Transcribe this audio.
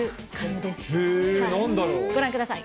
ご覧ください。